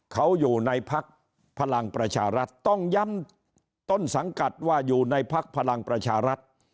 เขาอยู่ในพักพลังประชารัฐต้องย้ำต้นสังกัดว่าอยู่ในภักดิ์พลังประชารัฐ